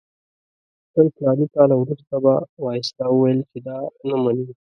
شل فلاني کاله وروسته بل وایسرا وویل چې دا نه مني.